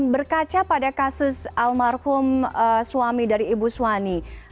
terkaca pada kasus almarhum suami dari ibu swani